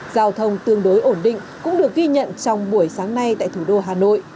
giao thông tương đối ổn định cũng được ghi nhận trong buổi sáng nay tại thủ đô hà nội